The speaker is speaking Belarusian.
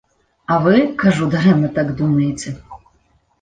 А вы, кажу, дарэмна так думаеце.